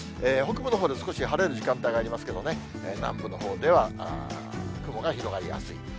北部のほうで少し晴れる時間帯がありますけれどもね、南部のほうでは雲が広がりやすい。